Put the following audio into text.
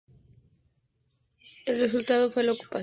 El resultado fue la ocupación de Frisia por los sajones.